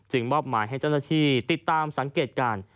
มอบหมายให้เจ้าหน้าที่ติดตามสังเกตการณ์